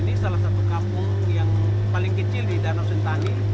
ini salah satu kampung yang paling kecil di danau sentani